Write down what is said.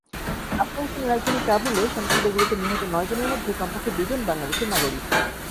আফগানিস্তানের রাজধানী কাবুলে সন্ত্রাসীদের গুলিতে নিহত নয়জনের মধ্যে কমপক্ষে দুজন বাংলাদেশের নাগরিক।